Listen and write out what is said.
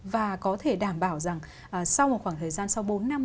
và có thể đảm bảo rằng sau một khoảng thời gian sau bốn năm